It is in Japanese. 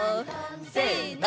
せの！